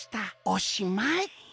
おしまい！」。